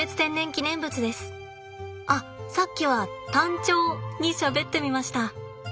あっさっきは単調にしゃべってみました。